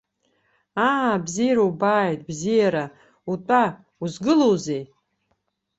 Аа, бзиара убааит, бзиара, утәа, узгылоузеи!